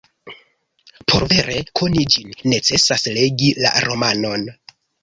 Por vere koni ĝin, necesas legi la romanon.